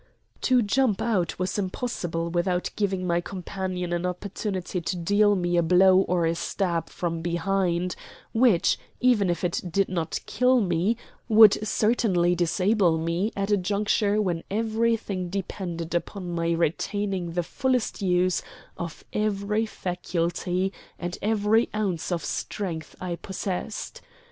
To jump out was impossible without giving my companion an opportunity to deal me a blow or a stab from behind, which, even if it did not kill me, would certainly disable me at a juncture when everything depended upon my retaining the fullest use of every faculty and every ounce of strength I possessed.